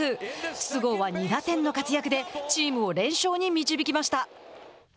筒香は２打点の活躍でチームを連勝に導きました。